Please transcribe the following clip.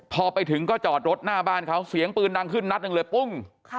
พอไปถึงก็หยอดรถหน้าบ้านเขาเสียงปืนดังขึ้นหนังปุ้ง